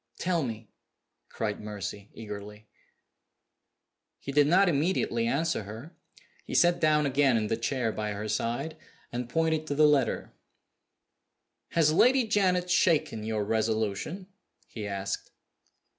"Tell me!" cried Mercy, eagerly. He did not immediately answer her. He sat down again in the chair by her side, and pointed to the letter. "Has Lady Janet shaken your resolution?" he asked.